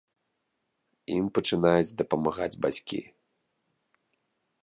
Ім пачынаюць дапамагаць бацькі!